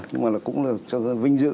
nhưng mà cũng là vinh dự